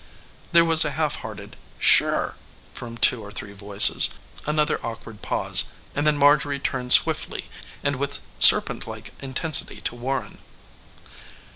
There was a half hearted "Sure" from two or three voices, another awkward pause, and then Marjorie turned swiftly and with serpentlike intensity to Warren.